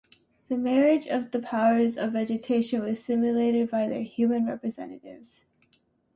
The marriage of the powers of vegetation was simulated by their human representatives.